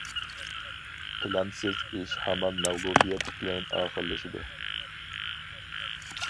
پىلانسىز ئىش ھامان مەغلۇبىيەت بىلەن ئاخىرلىشىدۇ.